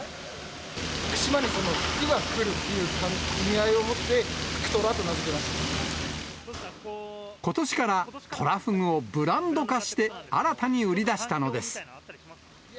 福島に福が来るという意味合いをもって、福とらと名付けましことしから、トラフグをブランド化して、新たに売り出したのです。